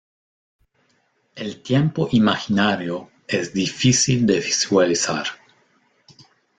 El tiempo imaginario es difícil de visualizar.